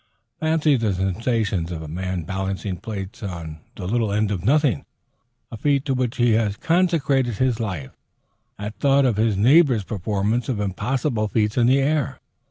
Fancy the sensations of the man balancing plates on the little end of nothing, a feat to which he has consecrated his life, at thought of his neighbor's performance of impossible feats in the air!